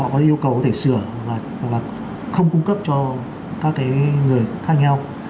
có yêu cầu có thể sửa hoặc là không cung cấp cho các cái người khác nhau